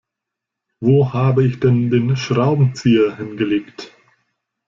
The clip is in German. Wo habe ich denn den Schraubenzieher hingelegt?